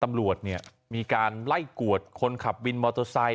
ตำรวจมีการไล่กวดคนขับวินมอฆษัย